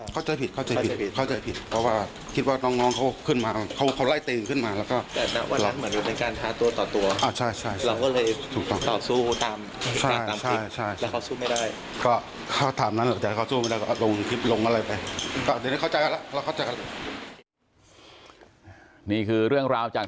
เข้าใจผิดเค้าเข้าใจผิดเข้าใจผิด